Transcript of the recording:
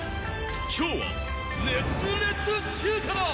今日は熱烈中華だ。